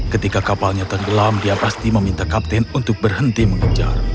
ketika kapalnya tenggelam dia pasti meminta kapten untuk berhenti mengejar